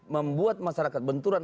membuat masyarakat benturan